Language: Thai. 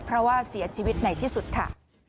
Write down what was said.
เพราะว่าเสียชีวิตในที่สุดค่ะ